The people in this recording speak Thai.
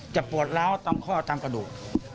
จะปวดร้าวต้องเข้าทำกระดูก